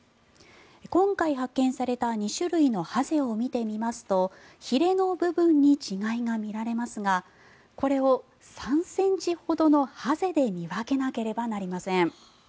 今回発見された２種類のハゼを見てみますとひれの部分に違いが見られますがこれを３ｃｍほどのハゼで見分けなければいけません。